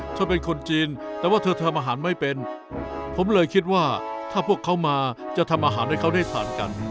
เธอเป็นคนจีนแต่ว่าเธอทำอาหารไม่เป็นผมเลยคิดว่าถ้าพวกเขามาจะทำอาหารให้เขาได้ทานกัน